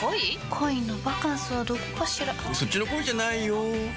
恋のバカンスはどこかしらそっちの恋じゃないよ